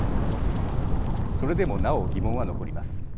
それでもなお、疑問は残ります。